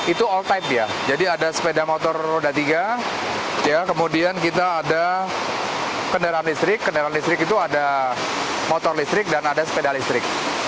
itu all tight ya jadi ada sepeda motor roda tiga kemudian kita ada kendaraan listrik kendaraan listrik itu ada motor listrik dan ada sepeda listrik